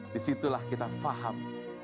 disitulah kita faham